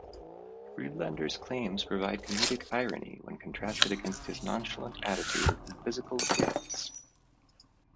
Friedlander's claims provide comedic irony when contrasted against his nonchalant attitude and physical appearance.